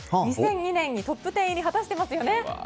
２００２年にトップ１０入りを果たしてますよね。